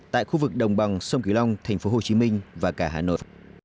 tại khu vực đồng bằng sông kỳ long tp hcm và cả hà nội